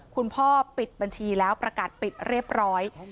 คุณพ่อปิดบัญชีแล้วประกาศปิดเรียบร้อย